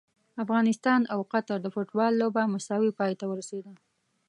افغانستان او قطر د فوټبال لوبه مساوي پای ته ورسیده!